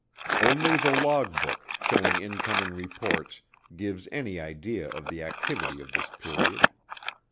Only the logbook, showing incoming reports, gives any idea of the activity of this period.